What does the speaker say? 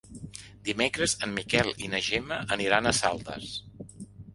Dimecres en Miquel i na Gemma aniran a Saldes.